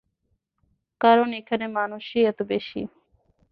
কারন এখানে মানুষই এতো বেশি।